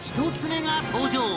１つ目が登場